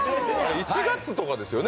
１月とかですよね。